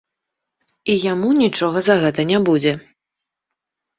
І яму нічога за гэта не будзе.